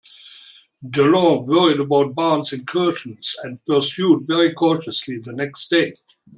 D'Erlon worried about Barnes's incursion and pursued very cautiously the next day.